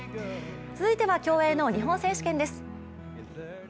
続いては競泳の日本選手権です。